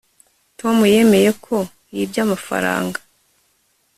tom yemeye ko yibye amafaranga